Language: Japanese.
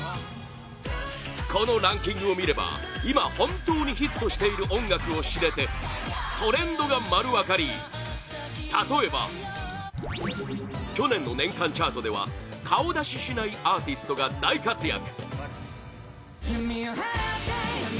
このランキングを見れば今、本当にヒットしている音楽を知れてトレンドが丸分かり例えば去年の年間チャートでは顔出ししないアーティストが大活躍